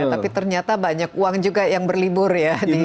tapi ternyata banyak uang juga yang berlibur ya